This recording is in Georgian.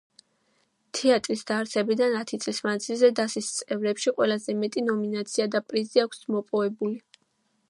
თეატრის დაარსებიდან ათი წლის მანძილზე დასის წევრებში ყველაზე მეტი ნომინაცია და პრიზი აქვს მოპოვებული.